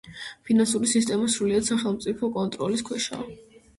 ფინანსური სისტემა სრულად სახელმწიფო კონტროლის ქვეშაა.